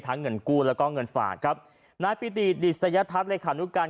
ทั้งเงินกู้แล้วก็เงินฝากครับน้ายปีตีดิสัยทัศน์เรศคานุการณ์